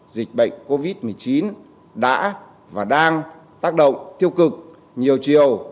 dịch bệnh covid một mươi chín đã và đang tác động tiêu cực nhiều chiều